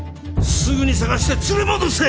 すぐに捜して連れ戻せ！